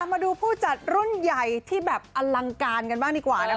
มาดูผู้จัดรุ่นใหญ่ที่แบบอลังการกันบ้างดีกว่านะคะ